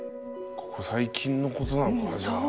ここ最近のことなのかじゃあ。